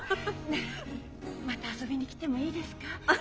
ねえまた遊びに来てもいいですか？